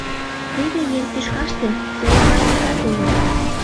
Теве еҥ тӱшкаште целовальникат уло.